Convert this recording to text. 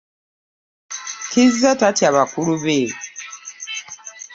Kizza tatya bakulu be.